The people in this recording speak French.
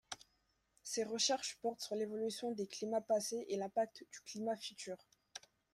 Ses recherches portent sur l'évolution des climats passés et l'impact du climat futur.